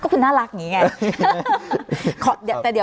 ก็คือน่ารักอย่างนี้ไง